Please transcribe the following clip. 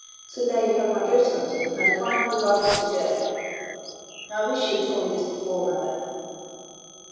So there you have my ghost hunting, and a fine fool I was to go." "I wish you had told me this before, Mallow."